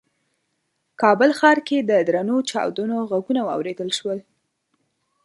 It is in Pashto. کابل ښار کې د درنو چاودنو غږونه واورېدل شول.